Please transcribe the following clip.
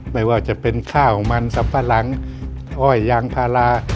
ไม่ว่าจะเป็นข้าวของมันสับปะหลังอ้อยยางพารา